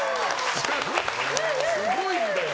すごいんだよ！